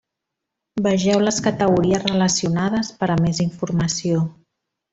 Vegeu les categories relacionades per a més informació.